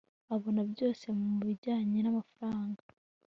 abona byose mubijyanye namafaranga